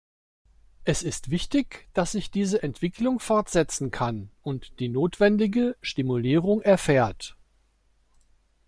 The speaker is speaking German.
Es ist wichtig, dass sich diese Entwicklung fortsetzen kann und die notwendige Stimulierung erfährt.